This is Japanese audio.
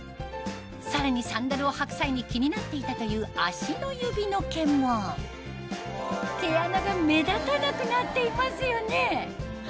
さらにサンダルを履く際に気になっていたという足の指の毛も毛穴が目立たなくなっていますよね